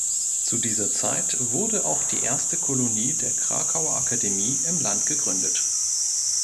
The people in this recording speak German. Zu dieser Zeit wurde auch die erste Kolonie der Krakauer Akademie im Land gegründet.